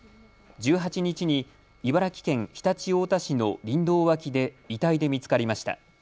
１８日に茨城県常陸太田市の林道脇で遺体で見つかりました。